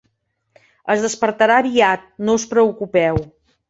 Es despertarà aviat, no us preocupeu.